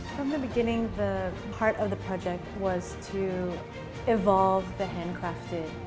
dari awal bagian dari proyek itu adalah untuk mengubah perhiasan